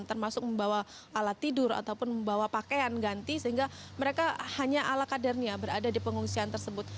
termasuk membawa alat tidur ataupun membawa pakaian ganti sehingga mereka hanya ala kadernya berada di pengungsian tersebut